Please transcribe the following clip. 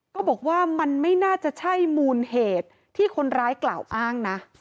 ก็บอกว่ามันไม่น่าจะใช่มูลเหตุที่คนร้ายกล่าวอ้างนะ